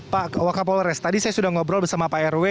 pak wakapolres tadi saya sudah ngobrol bersama pak rw